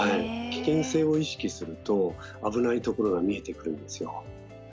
危険性を意識すると危ないところが見えてくるんですよ。